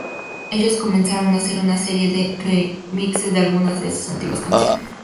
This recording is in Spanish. Ellos comenzaron a hacer una serie de remixes de algunas de sus antiguas canciones.